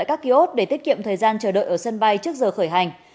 các kiosk để tiết kiệm thời gian chờ đợi ở sân bay trước giờ khởi hành